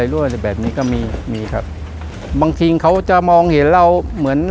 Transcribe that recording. รั่วอะไรแบบนี้ก็มีมีครับบางทีเขาจะมองเห็นเราเหมือน